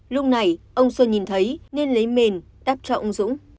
lúc này ông xuân nhìn thấy nên lấy mìn đắp cho ông dũng